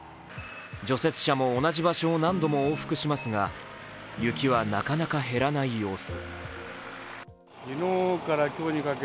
除雪車も同じ場所を何度も往復しますが雪はなかなか減らない様子。